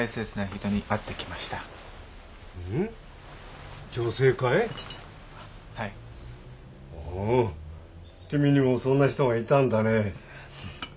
ほう君にもそんな人がいたんだね。